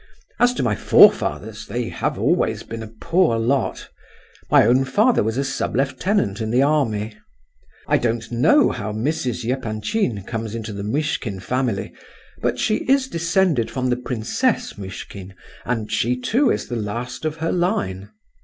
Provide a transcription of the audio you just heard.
As to my forefathers, they have always been a poor lot; my own father was a sublieutenant in the army. I don't know how Mrs. Epanchin comes into the Muishkin family, but she is descended from the Princess Muishkin, and she, too, is the last of her line."